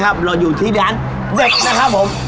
มารีออกมาจากร้านนี้ครับคุณ